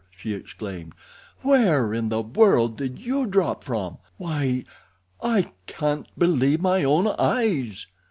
she exclaimed. "Where in the world did you drop from? Why, I can't believe my own eyes."